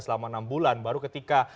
selama enam bulan baru ketika